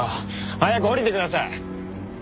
早く降りてください！